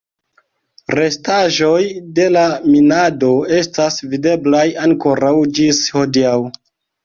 Restaĵoj de la minado estas videblaj ankoraŭ ĝis hodiaŭ.